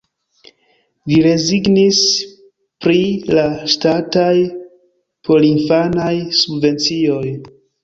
Li rezignis pri la ŝtataj porinfanaj subvencioj.